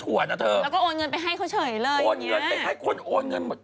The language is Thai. แล้วก็โอนเงินไปให้เขาเฉยเลยแบบนี้โอนเงินไปให้คนโอนเงินไปตลอด